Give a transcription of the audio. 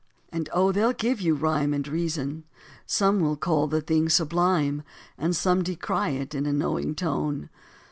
And oh! they'll give you rhyme And reason: some will call the thing sublime, And some decry it in a knowing tone.